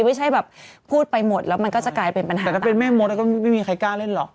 ไม่ใช่แบบพูดไปหมดแล้วมันก็จะกลายเป็นปัญหาแต่ถ้าเป็นแม่มดก็ไม่มีใครกล้าเล่นหรอก